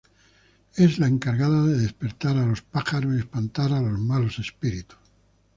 Es la encargada de despertar a los pájaros y espantar a los malos espíritus.